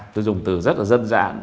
tôi dùng từ rất là dân dạng